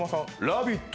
「ラヴィット！」